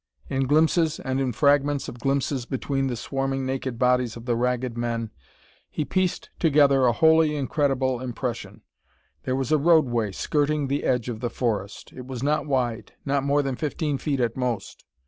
In glimpses and in fragments of glimpses between the swarming naked bodies of the Ragged Men, he pieced together a wholly incredible impression. There was a roadway skirting the edge of the forest. It was not wide; not more than fifteen feet at most.